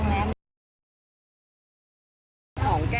เหลือค่ะตอนนี้มีน้ำต้นเกลือขาวจริงเริ่มมาบ้างแล้ว